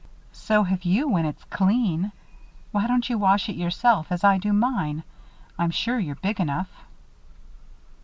"So have you when it's clean. Why don't you wash it yourself as I do mine? I'm sure you're big enough."